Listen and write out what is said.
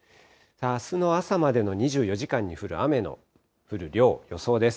あすの朝までの２４時間に降る、雨の降る量、予想です。